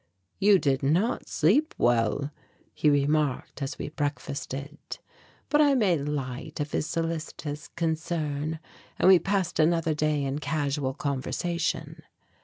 "You did not sleep well," he remarked, as we breakfasted. But I made light of his solicitous concern, and we passed another day in casual conversation.